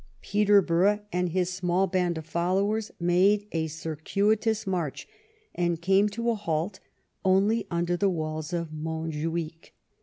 Peterborough and his small band of followers made a circuitous march, and came to a halt only under the walls of Monjuich.